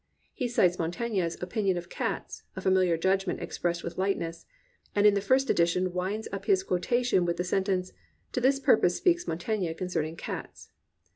He cites Montaigne's opinion of cats, — ^a famihar judgment expressed with lightness, — ^and in the first edition winds up his quotation with the sentence, "To this purpose speaks Montaigne concerning cats."